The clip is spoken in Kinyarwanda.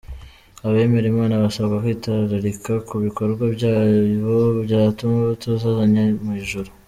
Abemera Imana basabwa kwitwararika ku bikorwa byabo byatuma batazajya mu ijuru.